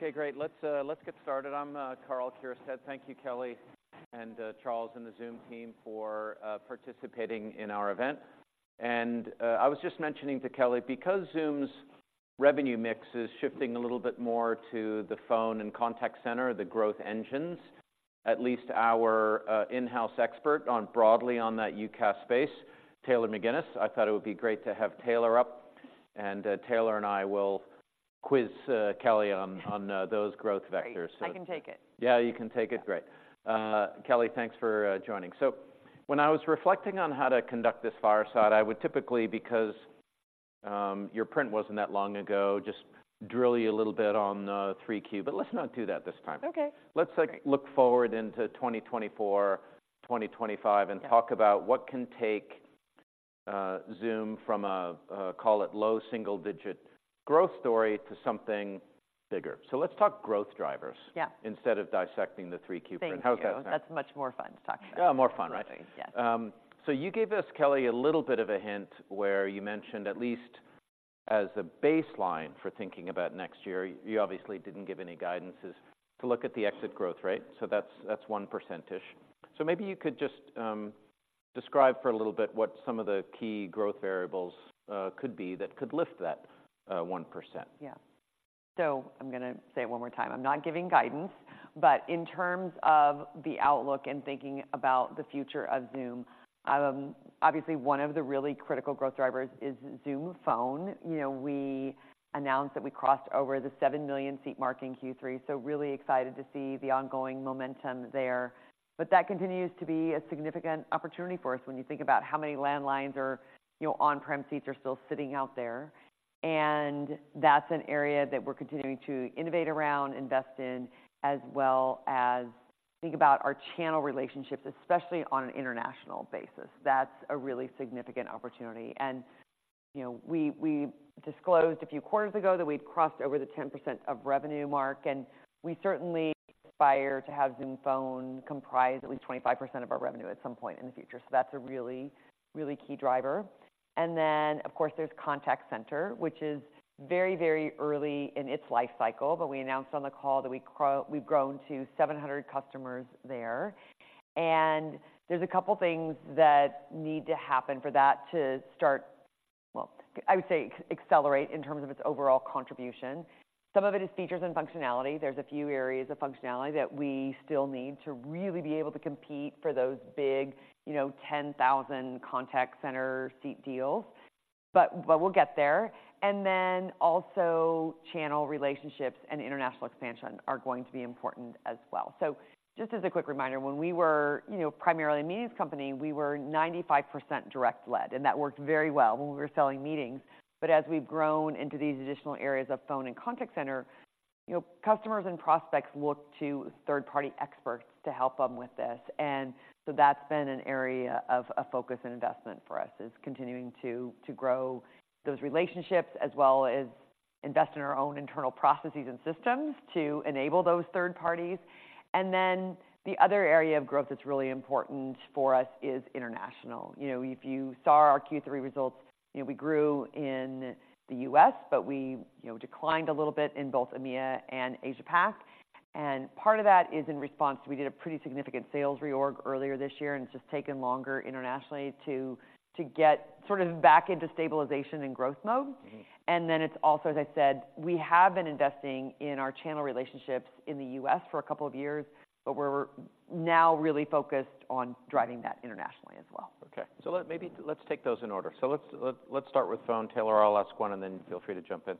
Okay, great. Let's get started. I'm Karl Keirstead. Thank you, Kelly and Charles, and the Zoom team for participating in our event. I was just mentioning to Kelly, because Zoom's revenue mix is shifting a little bit more to the phone and contact center, the growth engines, at least our in-house expert on broadly on that UCaaS space, Taylor McGinnis. I thought it would be great to have Taylor up, and Taylor and I will quiz Kelly on those growth vectors. Great. I can take it. Yeah, you can take it? Great. Kelly, thanks for joining. So when I was reflecting on how to conduct this fireside, I would typically, because your print wasn't that long ago, just drill you a little bit on 3Q, but let's not do that this time. Okay. Let's like, look forward into 2024, 2025- Yeah. and talk about what can take Zoom from a call it low single-digit growth story to something bigger. So let's talk growth drivers. Yeah. - instead of dissecting the 3Q. Thank you. How does that sound? That's much more fun to talk about. Yeah, more fun, right? Yes. So you gave us, Kelly, a little bit of a hint where you mentioned, at least as a baseline for thinking about next year, you obviously didn't give any guidances, to look at the exit growth rate. So that's 1%-ish. So maybe you could just describe for a little bit what some of the key growth variables could be that could lift that 1%. Yeah. So I'm gonna say it one more time. I'm not giving guidance, but in terms of the outlook and thinking about the future of Zoom, obviously, one of the really critical growth drivers is Zoom Phone. You know, we announced that we crossed over the 7 million seat mark in Q3, so really excited to see the ongoing momentum there. But that continues to be a significant opportunity for us when you think about how many landlines or, you know, on-prem seats are still sitting out there. And that's an area that we're continuing to innovate around, invest in, as well as think about our channel relationships, especially on an international basis. That's a really significant opportunity. You know, we disclosed a few quarters ago that we'd crossed over the 10% of revenue mark, and we certainly aspire to have Zoom Phone comprise at least 25% of our revenue at some point in the future. So that's a really, really key driver. And then, of course, there's Contact Center, which is very, very early in its life cycle, but we announced on the call that we've grown to 700 customers there. And there's a couple things that need to happen for that to start, well, I would say accelerate in terms of its overall contribution. Some of it is features and functionality. There's a few areas of functionality that we still need to really be able to compete for those big, you know, 10,000 contact center seat deals, but we'll get there. And then also, channel relationships and international expansion are going to be important as well. So just as a quick reminder, when we were, you know, primarily a meetings company, we were 95% direct lead, and that worked very well when we were selling meetings. But as we've grown into these additional areas of phone and contact center, you know, customers and prospects look to third-party experts to help them with this, and so that's been an area of, of focus and investment for us, is continuing to, to grow those relationships, as well as invest in our own internal processes and systems to enable those third parties. And then the other area of growth that's really important for us is international. You know, if you saw our Q3 results, you know, we grew in the U.S., but we, you know, declined a little bit in both EMEA and Asia-Pac. And part of that is in response. We did a pretty significant sales reorg earlier this year, and it's just taken longer internationally to get sort of back into stabilization and growth mode. And then it's also, as I said, we have been investing in our channel relationships in the U.S. for a couple of years, but we're now really focused on driving that internationally as well. Okay. So, maybe let's take those in order. So let's start with phone. Taylor, I'll ask one, and then feel free to jump in.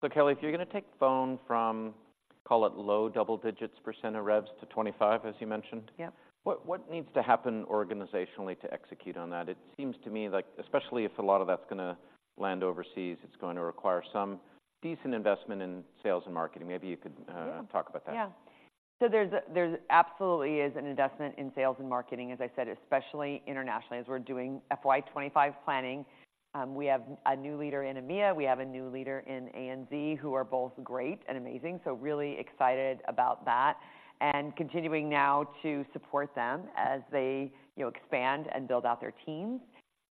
So, Kelly, if you're gonna take phone from, call it, low double digits % of revs to 25%, as you mentioned- Yeah... what, what needs to happen organizationally to execute on that? It seems to me like, especially if a lot of that's gonna land overseas, it's going to require some decent investment in sales and marketing. Maybe you could, Yeah. talk about that. Yeah. So there's absolutely an investment in sales and marketing, as I said, especially internationally, as we're doing FY 2025 planning. We have a new leader in EMEA, we have a new leader in ANZ, who are both great and amazing, so really excited about that. And continuing now to support them as they, you know, expand and build out their teams.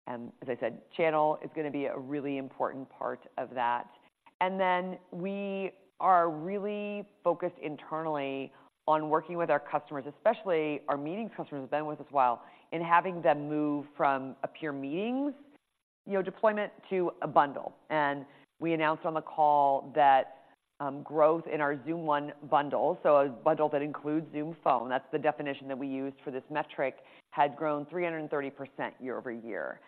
As I said, channel is gonna be a really important part of that. And then we are really focused internally on working with our customers, especially our meetings customers, that have been with us a while, and having them move from a pure meetings, you know, deployment to a bundle. We announced on the call that growth in our Zoom One bundle, so a bundle that includes Zoom Phone, that's the definition that we used for this metric, had grown 330% year-over-year.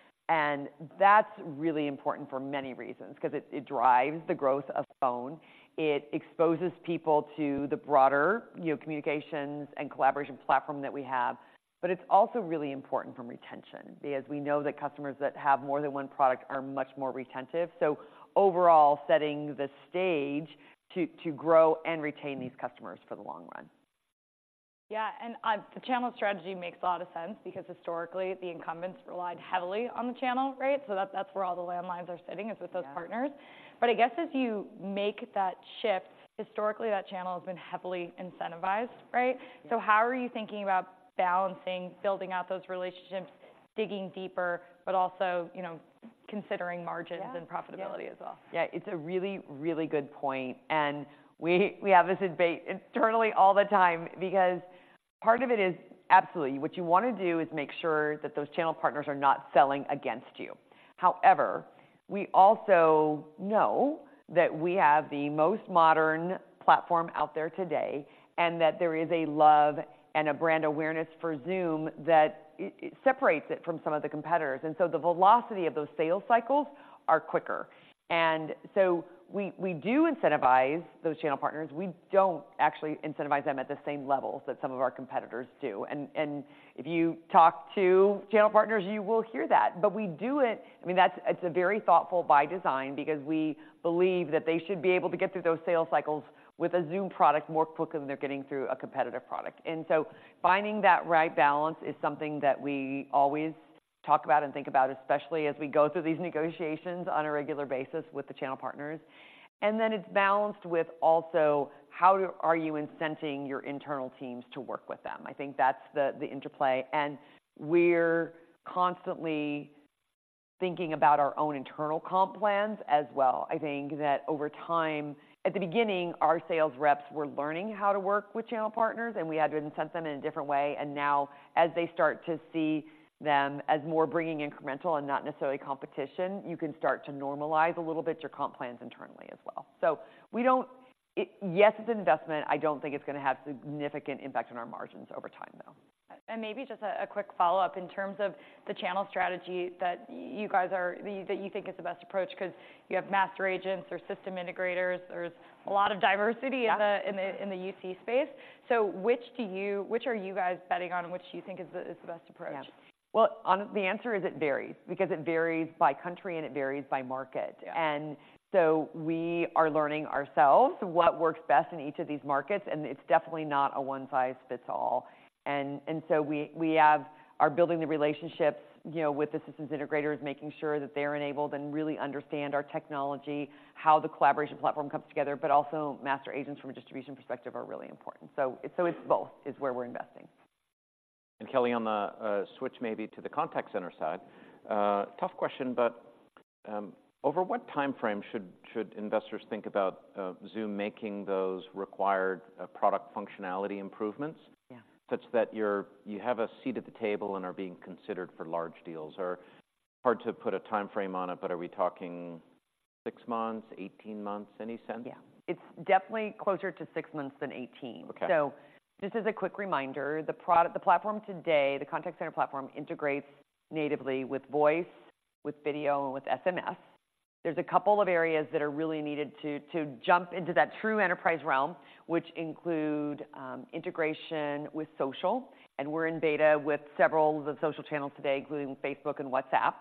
That's really important for many reasons, 'cause it, it drives the growth of phone, it exposes people to the broader, you know, communications and collaboration platform that we have, but it's also really important from retention, because we know that customers that have more than one product are much more retentive. Overall, setting the stage to, to grow and retain these customers for the long run. Yeah, and, the channel strategy makes a lot of sense because historically, the incumbents relied heavily on the channel, right? So that's, that's where all the landlines are sitting, is with those- Yeah. partners. But I guess as you make that shift, historically, that channel has been heavily incentivized, right? Yeah. How are you thinking about balancing, building out those relationships, digging deeper, but also, you know, considering margins? Yeah. and profitability as well. Yeah, it's a really, really good point, and we have this debate internally all the time, because part of it is absolutely. What you want to do is make sure that those channel partners are not selling against you. However, we also know that we have the most modern platform out there today, and that there is a love and a brand awareness for Zoom that it separates it from some of the competitors. And so the velocity of those sales cycles are quicker. And so we do incentivize those channel partners. We don't actually incentivize them at the same levels that some of our competitors do. And if you talk to channel partners, you will hear that. But we do it... I mean, that's it. It's a very thoughtful, by design, because we believe that they should be able to get through those sales cycles with a Zoom product more quickly than they're getting through a competitive product. And so finding that right balance is something that we always talk about and think about, especially as we go through these negotiations on a regular basis with the channel partners. And then it's balanced with also, how are you incenting your internal teams to work with them? I think that's the interplay, and we're constantly thinking about our own internal comp plans as well. I think that over time... At the beginning, our sales reps were learning how to work with channel partners, and we had to incent them in a different way, and now as they start to see them as more bringing incremental and not necessarily competition, you can start to normalize a little bit your comp plans internally as well. So, yes, it's an investment. I don't think it's gonna have significant impact on our margins over time, though. Maybe just a quick follow-up. In terms of the channel strategy that you guys are that you think is the best approach, 'cause you have master agents or system integrators, there's a lot of diversity- Yeah. in the UC space. So which are you guys betting on, and which do you think is the best approach? Yeah. Well, the answer is it varies, because it varies by country, and it varies by market. Yeah. And so we are learning ourselves what works best in each of these markets, and it's definitely not a one-size-fits-all. And so we are building the relationships, you know, with the systems integrators, making sure that they're enabled and really understand our technology, how the collaboration platform comes together, but also master agents from a distribution perspective are really important. So it's both where we're investing. Kelly, on the switch maybe to the Contact Center side, tough question, but over what timeframe should investors think about Zoom making those required product functionality improvements? Yeah. ... such that you're, you have a seat at the table and are being considered for large deals? Or hard to put a timeframe on it, but are we talking 6 months, 18 months, any sense? Yeah. It's definitely closer to 6 months than 18. Okay. So just as a quick reminder, the platform today, the Contact Center platform, integrates natively with voice, with video, and with SMS. There's a couple of areas that are really needed to jump into that true enterprise realm, which include integration with social, and we're in beta with several of the social channels today, including Facebook and WhatsApp.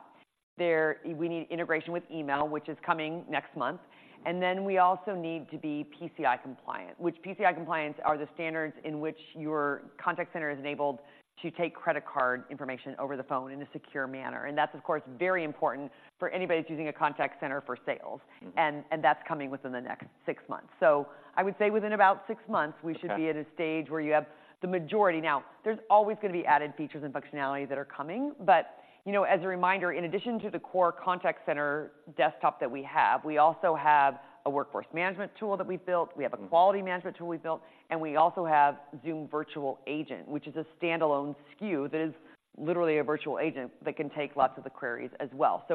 There, we need integration with email, which is coming next month, and then we also need to be PCI compliant, which PCI compliance are the standards in which your contact center is enabled to take credit card information over the phone in a secure manner. And that's, of course, very important for anybody who's using a contact center for sales. Mm-hmm. And that's coming within the next 6 months. So I would say within about 6 months- Okay.... we should be at a stage where you have the majority. Now, there's always gonna be added features and functionality that are coming, but, you know, as a reminder, in addition to the core contact center desktop that we have, we also have a workforce management tool that we've built. Mm. We have a quality management tool we've built, and we also have Zoom Virtual Agent, which is a standalone SKU that is literally a virtual agent that can take lots of the queries as well.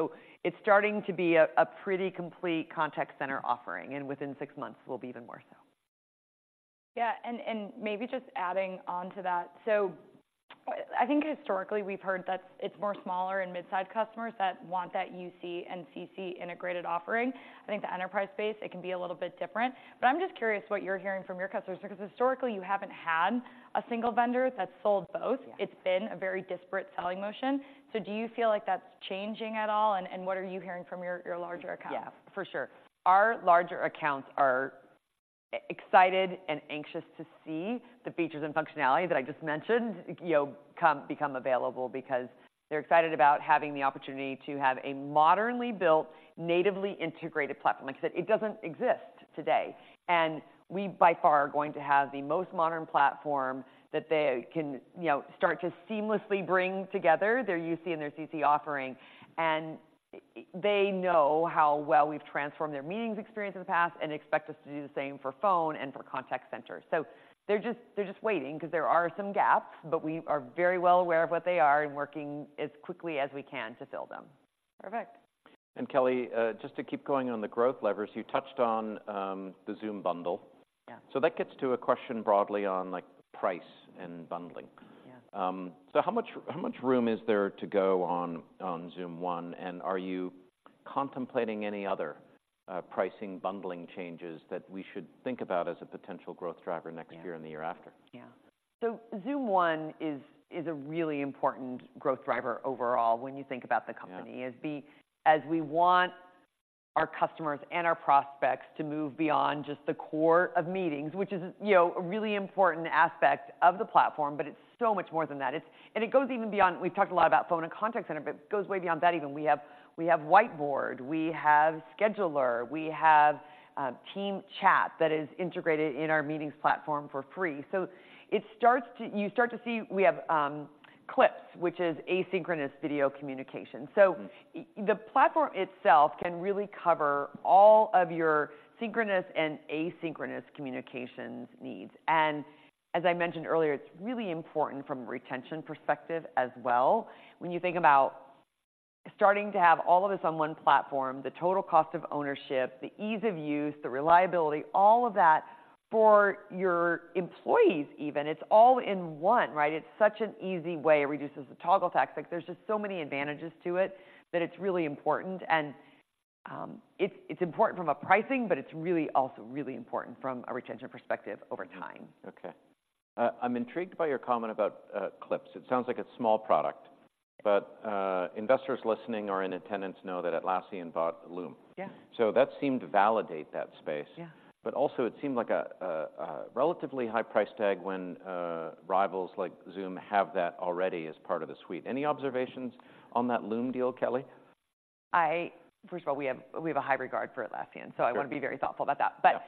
It's starting to be a pretty complete contact center offering, and within six months, it will be even more so. Yeah, maybe just adding on to that, so I think historically we've heard that it's more smaller and mid-size customers that want that UC and CC integrated offering. I think the enterprise space, it can be a little bit different, but I'm just curious what you're hearing from your customers, because historically, you haven't had a single vendor that's sold both. Yeah. It's been a very disparate selling motion. So do you feel like that's changing at all, and, and what are you hearing from your, your larger accounts? Yeah, for sure. Our larger accounts are excited and anxious to see the features and functionality that I just mentioned, you know, become available, because they're excited about having the opportunity to have a modernly built, natively integrated platform. Like I said, it doesn't exist today, and we by far are going to have the most modern platform that they can, you know, start to seamlessly bring together their UC and their CC offering. And they know how well we've transformed their meetings experience in the past and expect us to do the same for phone and for contact center. So they're just, they're just waiting, 'cause there are some gaps, but we are very well aware of what they are and working as quickly as we can to fill them. Perfect. Kelly, just to keep going on the growth levers, you touched on the Zoom bundle. Yeah. That gets to a question broadly on, like, price and bundling. Yeah. So how much, how much room is there to go on, on Zoom One, and are you contemplating any other, pricing bundling changes that we should think about as a potential growth driver next year- Yeah.... and the year after? Yeah. So Zoom One is a really important growth driver overall when you think about the company- Yeah.... as we want our customers and our prospects to move beyond just the core of meetings, which is, you know, a really important aspect of the platform, but it's so much more than that. It's, and it goes even beyond... We've talked a lot about phone and contact center, but it goes way beyond that even. We have Whiteboard, we have Scheduler, we have Team Chat that is integrated in our meetings platform for free. So it starts to, you start to see we have Clips, which is asynchronous video communication. So the platform itself can really cover all of your synchronous and asynchronous communications needs. And as I mentioned earlier, it's really important from a retention perspective as well. When you think about starting to have all of this on one platform, the total cost of ownership, the ease of use, the reliability, all of that for your employees even, it's all in one, right? It's such an easy way. It reduces the toggle tax. Like, there's just so many advantages to it that it's really important. And, it's, it's important from a pricing, but it's really also really important from a retention perspective over time. Okay. I'm intrigued by your comment about Clips. It sounds like a small product, but investors listening or in attendance know that Atlassian bought Loom. Yeah. That seemed to validate that space. Yeah. Also, it seemed like a relatively high price tag when rivals like Zoom have that already as part of the suite. Any observations on that Loom deal, Kelly? First of all, we have, we have a high regard for Atlassian. Sure.... so I want to be very thoughtful about that. Yeah. But,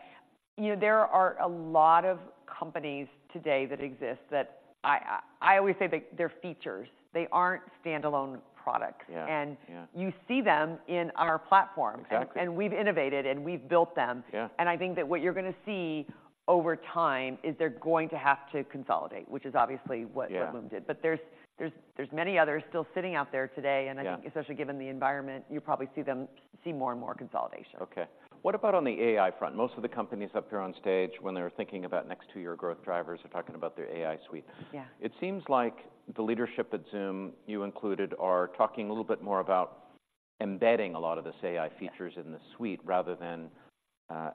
you know, there are a lot of companies today that exist that I always say they're features. They aren't standalone products. Yeah, yeah. You see them in our platform. Exactly. And we've innovated, and we've built them. Yeah. I think that what you're gonna see over time is they're going to have to consolidate, which is obviously what- Yeah.... Loom did. But there's many others still sitting out there today- Yeah.... and I think especially given the environment, you'll probably see them, see more and more consolidation. Okay. What about on the AI front? Most of the companies up here on stage, when they're thinking about next two-year growth drivers, are talking about their AI suite. Yeah. It seems like the leadership at Zoom, you included, are talking a little bit more about embedding a lot of this AI features- Yeah.... in the suite, rather than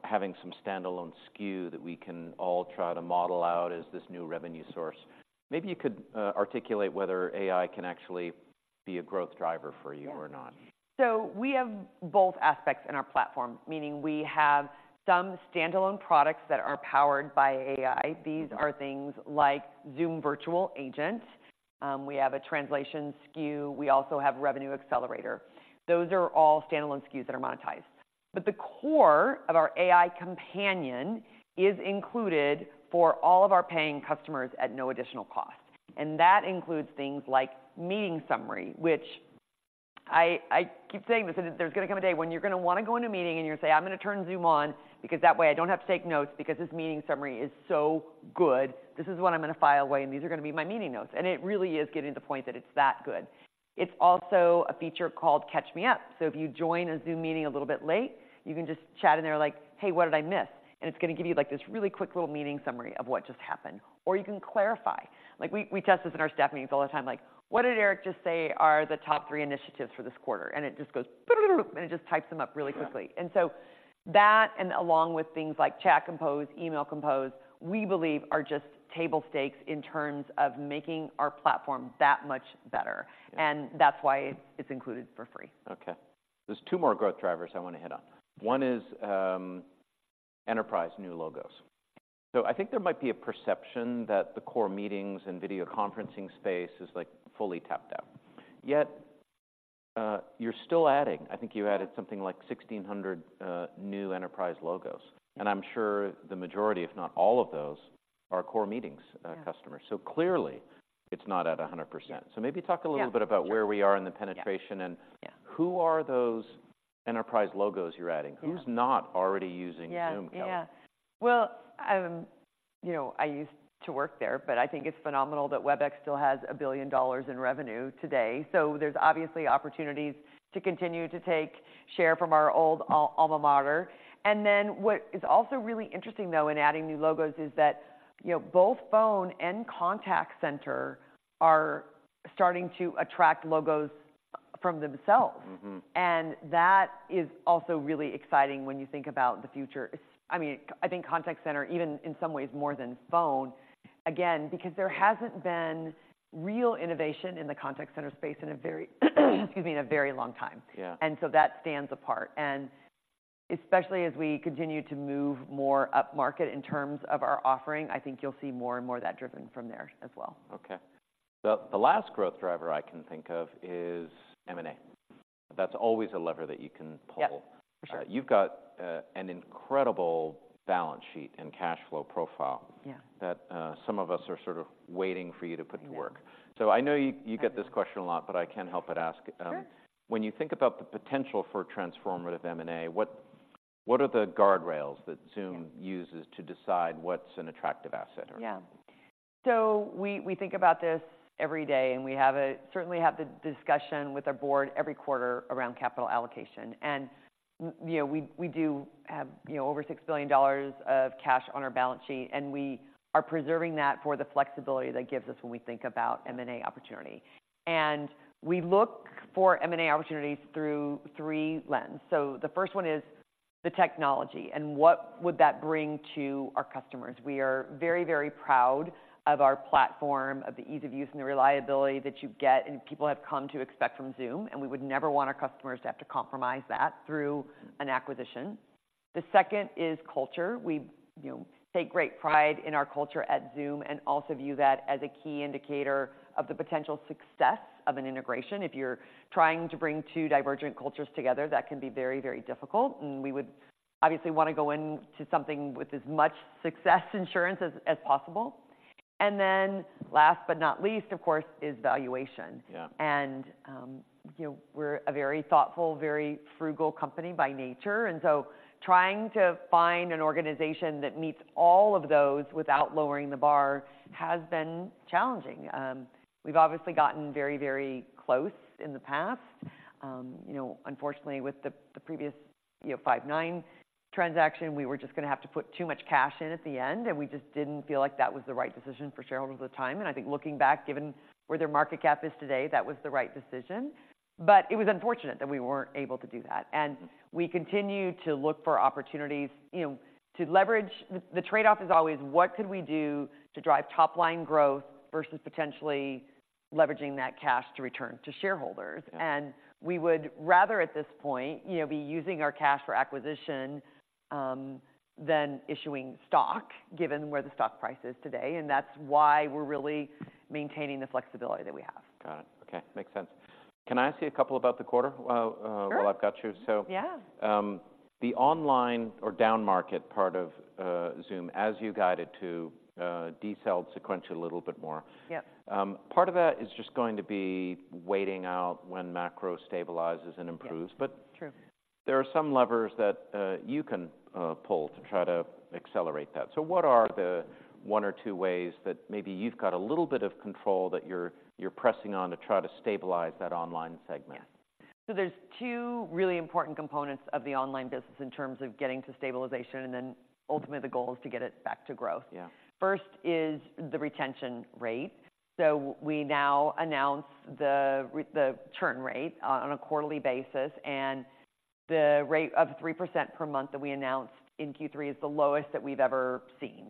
having some standalone SKU that we can all try to model out as this new revenue source. Maybe you could articulate whether AI can actually be a growth driver for you or not? Yeah. So we have both aspects in our platform, meaning we have some standalone products that are powered by AI. Mm-hmm. These are things like Zoom Virtual Agent, we have a translation SKU, we also have Revenue Accelerator. Those are all standalone SKUs that are monetized. But the core of our AI companion is included for all of our paying customers at no additional cost, and that includes things like Meeting Summary, which I, I keep saying this, that there's gonna come a day when you're gonna wanna go into a meeting and you're gonna say, "I'm gonna turn Zoom on, because that way I don't have to take notes, because this Meeting Summary is so good. This is what I'm gonna file away, and these are gonna be my meeting notes." And it really is getting to the point that it's that good. It's also a feature called Catch Me Up, so if you join a Zoom meeting a little bit late, you can just chat in there like, "Hey, what did I miss?" And it's gonna give you, like, this really quick little Meeting Summary of what just happened. Or you can clarify. Like, we test this in our staff meetings all the time, like, "What did Eric just say are the top three initiatives for this quarter?" And it just goes, and it just types them up really quickly. Yeah. So that, and along with things like chat compose, email compose, we believe are just table stakes in terms of making our platform that much better. Yeah. That's why it's included for free. Okay. There's two more growth drivers I wanna hit on. One is enterprise new logos. So I think there might be a perception that the core meetings and video conferencing space is, like, fully tapped out. Yet, you're still adding I think you added something like 1,600 new enterprise logos, and I'm sure the majority, if not all of those, are core meetings- Yeah.... customers. So clearly, it's not at 100%. Yeah. Maybe talk a little bit about where we are in the penetration- Yeah.... and- Yeah.... who are those enterprise logos you're adding? Yeah. Who's not already using Zoom, Kelly? Yeah, yeah. Well, you know, I used to work there, but I think it's phenomenal that Webex still has $1 billion in revenue today. So there's obviously opportunities to continue to take share from our old alma mater. And then what is also really interesting, though, in adding new logos is that, you know, both Phone and Contact Center are starting to attract logos from themselves. Mm-hmm. That is also really exciting when you think about the future. It's, I mean, I think Contact Center, even in some ways more than Phone, again, because there hasn't been real innovation in the contact center space in a very, excuse me, in a very long time. Yeah. And so that stands apart. And especially as we continue to move more upmarket in terms of our offering, I think you'll see more and more of that driven from there as well. Okay. The last growth driver I can think of is M&A. That's always a lever that you can pull. Yep, for sure. You've got an incredible balance sheet and cash flow profile- Yeah.... that, some of us are sort of waiting for you to put to work. Yeah. So I know you, you get this question a lot, but I can't help but ask. Sure.... when you think about the potential for transformative M&A, what, what are the guardrails that Zoom- Yeah.... uses to decide what's an attractive asset or not? Yeah. So we think about this every day, and we certainly have the discussion with our board every quarter around capital allocation. And, you know, we do have, you know, over $6 billion of cash on our balance sheet, and we are preserving that for the flexibility that gives us when we think about M&A opportunity. And we look for M&A opportunities through three lenses. So the first one is the technology and what would that bring to our customers. We are very, very proud of our platform, of the ease of use and the reliability that you get and people have come to expect from Zoom, and we would never want our customers to have to compromise that through an acquisition. The second is culture. We, you know, take great pride in our culture at Zoom and also view that as a key indicator of the potential success of an integration. If you're trying to bring two divergent cultures together, that can be very, very difficult, and we would obviously wanna go into something with as much success insurance as, as possible... And then last but not least, of course, is valuation. Yeah. You know, we're a very thoughtful, very frugal company by nature, and so trying to find an organization that meets all of those without lowering the bar has been challenging. We've obviously gotten very, very close in the past. You know, unfortunately, with the previous, you know, Five9 transaction, we were just gonna have to put too much cash in at the end, and we just didn't feel like that was the right decision for shareholders at the time. I think looking back, given where their market cap is today, that was the right decision. But it was unfortunate that we weren't able to do that. We continue to look for opportunities, you know, to leverage the trade-off is always: what could we do to drive top-line growth versus potentially leveraging that cash to return to shareholders? Yeah. We would rather, at this point, you know, be using our cash for acquisition than issuing stock, given where the stock price is today, and that's why we're really maintaining the flexibility that we have. Got it. Okay, makes sense. Can I ask you a couple about the quarter? Sure.... while I've got you? Yeah. The online or downmarket part of Zoom, as you guided to, decel sequentially a little bit more. Yep. Part of that is just going to be waiting out when macro stabilizes and improves- Yeah, true.... But there are some levers that, you can, pull to try to accelerate that. So what are the one or two ways that maybe you've got a little bit of control that you're pressing on to try to stabilize that online segment? Yeah. So there's two really important components of the online business in terms of getting to stabilization, and then ultimately, the goal is to get it back to growth. Yeah. First is the retention rate. So we now announce the churn rate on a quarterly basis, and the rate of 3% per month that we announced in Q3 is the lowest that we've ever seen.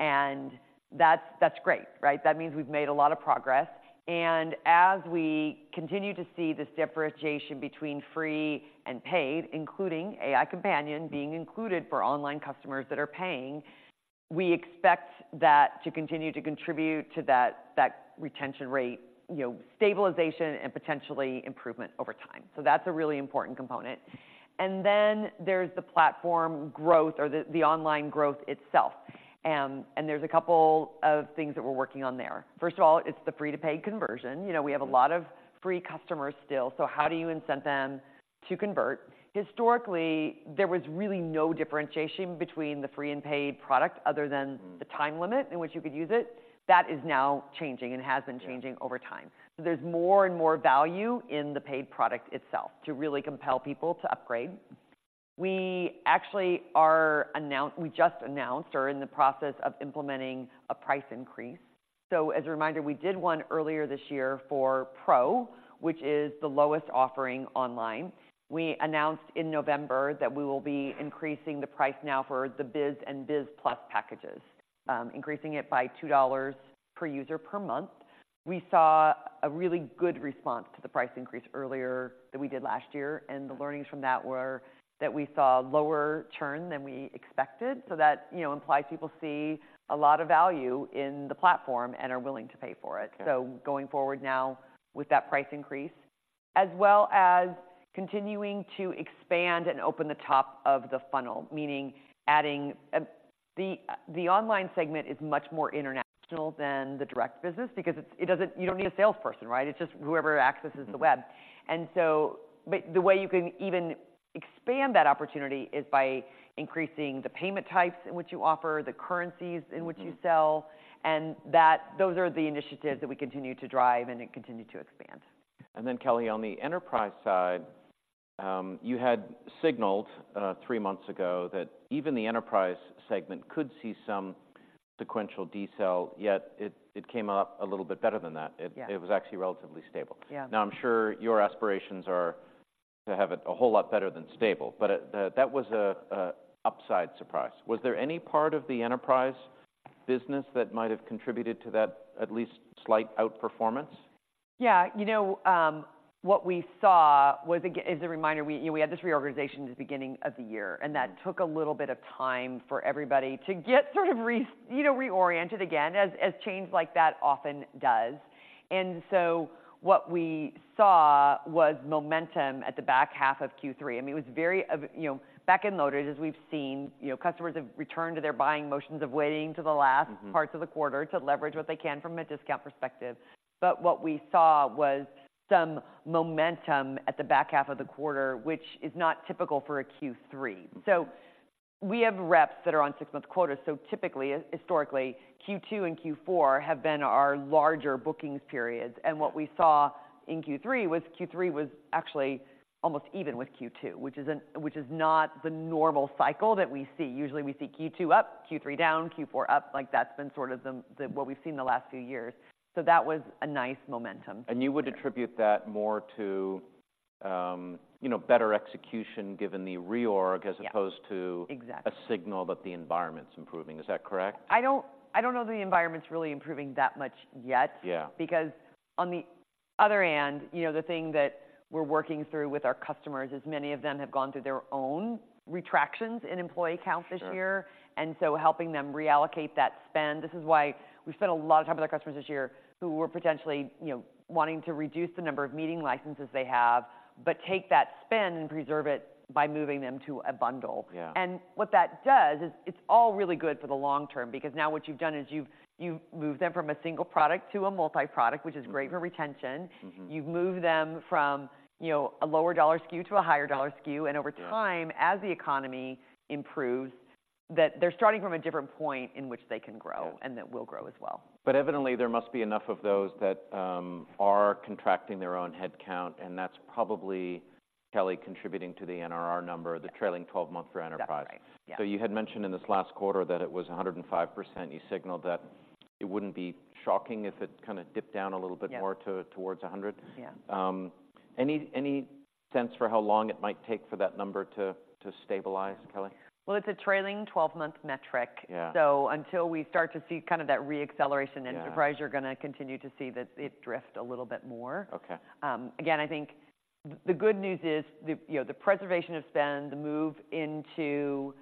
And that's great, right? That means we've made a lot of progress. And as we continue to see this differentiation between free and paid, including AI Companion being included for online customers that are paying, we expect that to continue to contribute to that retention rate, you know, stabilization and potentially improvement over time. So that's a really important component. And then there's the platform growth or the online growth itself. And there's a couple of things that we're working on there. First of all, it's the free-to-paid conversion. You know- Mm-hmm.... we have a lot of free customers still. So how do you incent them to convert? Historically, there was really no differentiation between the free and paid product other than- Mm.... the time limit in which you could use it. That is now changing and has been changing- Yeah.... over time. So there's more and more value in the paid product itself to really compel people to upgrade. We actually just announced or are in the process of implementing a price increase. So as a reminder, we did one earlier this year for Pro, which is the lowest offering online. We announced in November that we will be increasing the price now for the Biz and Biz Plus packages, increasing it by $2 per user per month. We saw a really good response to the price increase earlier, that we did last year, and the learnings from that were that we saw lower churn than we expected. So that, you know, implies people see a lot of value in the platform and are willing to pay for it. Yeah. So going forward now with that price increase, as well as continuing to expand and open the top of the funnel, meaning adding, the online segment is much more international than the direct business because you don't need a salesperson, right? It's just whoever accesses the web. Mm-hmm. But the way you can even expand that opportunity is by increasing the payment types in which you offer, the currencies in which you sell- Mm-hmm.... and that, those are the initiatives that we continue to drive and then continue to expand. And then, Kelly, on the enterprise side, you had signaled three months ago that even the enterprise segment could see some sequential decel, yet it, it came up a little bit better than that. Yeah. It was actually relatively stable. Yeah. Now, I'm sure your aspirations are to have it a whole lot better than stable, but that was a upside surprise. Was there any part of the enterprise business that might have contributed to that, at least slight outperformance? Yeah. You know, what we saw was as a reminder, we, you know, we had this reorganization at the beginning of the year, and that took a little bit of time for everybody to get sort of you know, reoriented again, as change like that often does. And so what we saw was momentum at the back half of Q3. I mean, it was very you know, back-end loaded, as we've seen. You know, customers have returned to their buying motions of waiting to the last- Mm-hmm.... parts of the quarter to leverage what they can from a discount perspective. But what we saw was some momentum at the back half of the quarter, which is not typical for a Q3. Mm-hmm. We have reps that are on six-month quotas, so typically, historically, Q2 and Q4 have been our larger bookings periods. Yeah. What we saw in Q3 was actually almost even with Q2, which is not the normal cycle that we see. Usually, we see Q2 up, Q3 down, Q4 up. Like, that's been sort of the what we've seen the last few years. So that was a nice momentum. You would attribute that more to, you know, better execution given the reorg- Yeah...... as opposed to- Exactly.... a signal that the environment's improving. Is that correct? I don't know that the environment's really improving that much yet. Yeah. Because on the other hand, you know, the thing that we're working through with our customers is many of them have gone through their own retractions in employee count this year. Sure. Helping them reallocate that spend, this is why we've spent a lot of time with our customers this year who were potentially, you know, wanting to reduce the number of meeting licenses they have, but take that spend and preserve it by moving them to a bundle. Yeah. What that does is, it's all really good for the long term because now what you've done is you've moved them from a single product to a multi-product, which is- Mm-hmm..... great for retention. Mm-hmm. You've moved them from, you know, a lower dollar SKU to a higher dollar SKU, and over- Yeah... time, as the economy improves... that they're starting from a different point in which they can grow. Yeah. and that will grow as well. But evidently, there must be enough of those that are contracting their own headcount, and that's probably, Kelly, contributing to the NRR number, the trailing twelve-month for Enterprise. That's right. Yeah. So you had mentioned in this last quarter that it was 105%. You signaled that it wouldn't be shocking if it kinda dipped down a little bit more. Yeah. to, towards 100. Yeah. Any sense for how long it might take for that number to stabilize, Kelly? Well, it's a trailing 12-month metric. Yeah. So until we start to see kind of that re-acceleration in enterprise- Yeah. You're gonna continue to see that it drift a little bit more. Okay. Again, I think the good news is, you know, the preservation of spend, the move into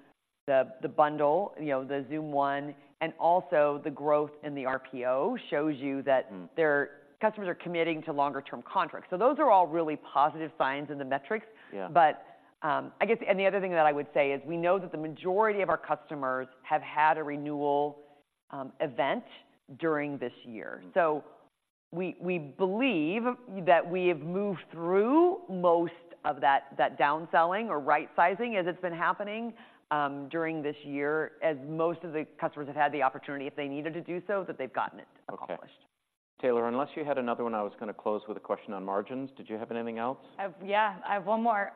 the bundle, you know, the Zoom One, and also the growth in the RPO shows you that- Mm. Their customers are committing to longer term contracts. So those are all really positive signs in the metrics. Yeah. But, I guess and the other thing that I would say is, we know that the majority of our customers have had a renewal event during this year. Mm. So we believe that we have moved through most of that downselling or right sizing, as it's been happening during this year, as most of the customers have had the opportunity, if they needed to do so, that they've gotten it accomplished. Okay. Taylor, unless you had another one, I was gonna close with a question on margins. Did you have anything else? I've. Yeah, I have one more.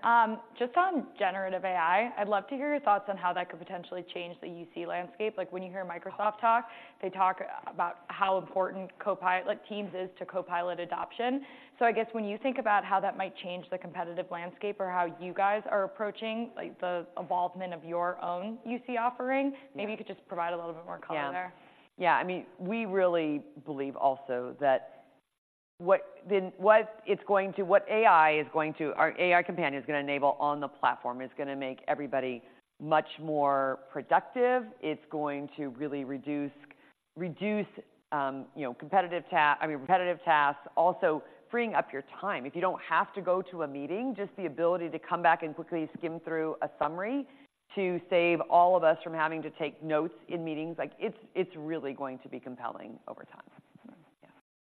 Just on generative AI, I'd love to hear your thoughts on how that could potentially change the UC landscape. Like, when you hear Microsoft talk, they talk about how important Copilot, like, Teams is to Copilot adoption. So I guess when you think about how that might change the competitive landscape or how you guys are approaching, like, the evolvement of your own UC offering. Yeah.... maybe you could just provide a little bit more color there. Yeah. Yeah, I mean, we really believe also that what AI is going to... Our AI Companion is gonna enable on the platform. It's gonna make everybody much more productive. It's going to really reduce, you know, repetitive tasks, also freeing up your time. If you don't have to go to a meeting, just the ability to come back and quickly skim through a summary to save all of us from having to take notes in meetings, like, it's really going to be compelling over time. Yeah.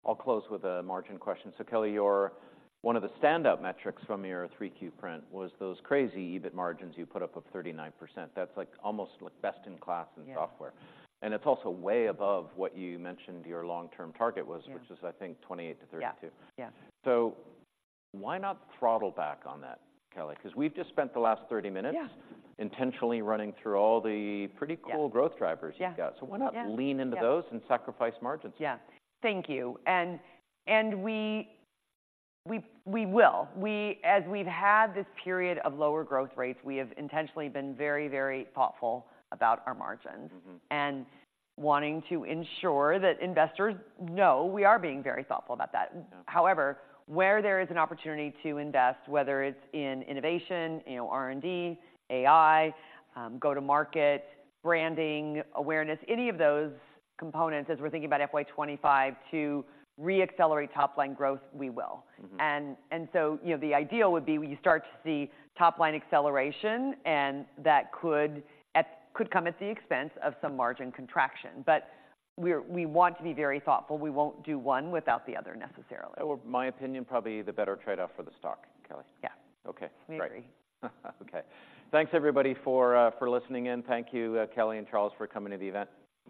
I'll close with a margin question. So, Kelly, your... One of the standout metrics from your Q3 print was those crazy EBIT margins you put up of 39%. That's, like, almost, like, best in class in software. Yeah. It's also way above what you mentioned your long-term target was- Yeah. - which is, I think, 28-32. Yeah. Yeah. Why not throttle back on that, Kelly? Because we've just spent the last 30 minutes- Yeah. intentionally running through all the pretty cool- Yeah. - growth drivers you've got. Yeah. So why not lean into those- Yeah. - and sacrifice margins? Yeah. Thank you. And we will. As we've had this period of lower growth rates, we have intentionally been very, very thoughtful about our margins- Mm-hmm.... and wanting to ensure that investors know we are being very thoughtful about that. Yeah. However, where there is an opportunity to invest, whether it's in innovation, you know, R&D, AI, go-to-market, branding, awareness, any of those components, as we're thinking about FY 25, to re-accelerate top-line growth, we will. Mm-hmm. So, you know, the ideal would be when you start to see top-line acceleration, and that could come at the expense of some margin contraction. But we want to be very thoughtful. We won't do one without the other necessarily. Well, my opinion, probably the better trade-off for the stock, Kelly. Yeah. Okay, great. We agree. Okay. Thanks, everybody, for, for listening in. Thank you, Kelly and Charles, for coming to the event.